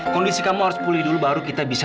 kondisi kamu harus pulih dulu baru kita bisa